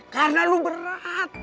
karena lu berat